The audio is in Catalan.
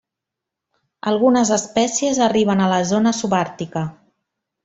Algunes espècies arriben a la zona subàrtica.